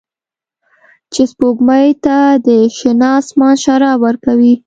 چې سپوږمۍ ته د شنه اسمان شراب ورکوي